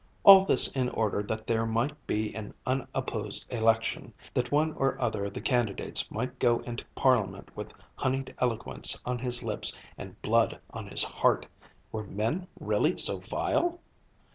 All this in order that there might be an unopposed election, that one or other of the candidates might go into Parliament with honeyed eloquence on his lips and blood on his heart. Were men really so vile?